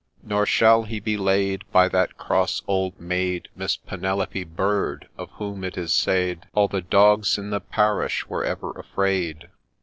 Nor shall he be laid By that cross Old Maid, Miss Penelope Bird, — of whom it is said All the dogs in the parish were ever afraid.